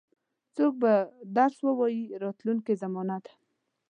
څوک به درس ووایي راتلونکې زمانه ده.